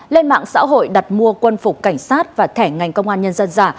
lên mạng xã hội đặt mua quân phục cảnh sát và thẻ ngành công an nhân dân giả